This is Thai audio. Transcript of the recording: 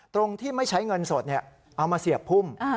ตรงที่ไม่ใช้เงินสดเอามาเสียบพุ่ม